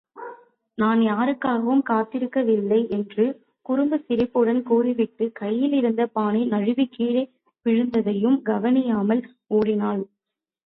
நான் யாருக்காகவும் காத்திருக்கவில்லை என்று குறும்புச் சிரிப்புடன் கூறிவிட்டுக் கையிலிருந்த பானை நழுவிக் கீழே விழுந்ததையும் கவனியாமல் ஓடினாள்.